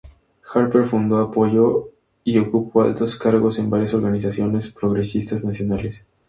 Harper fundó, apoyó y ocupó altos cargos en varias organizaciones progresistas nacionales.